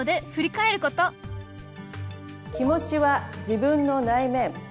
気持ちは自分の内面。